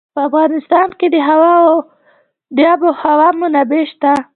په افغانستان کې د آب وهوا منابع شته.